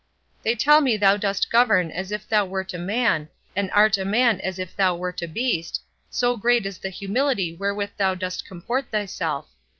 They tell me thou dost govern as if thou wert a man, and art a man as if thou wert a beast, so great is the humility wherewith thou dost comport thyself.